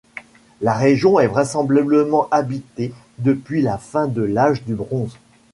La région est vraisemblablement habitée depuis la fin de l'âge du bronze.